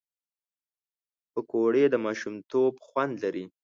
پکورې د ماشومتوب خوند لري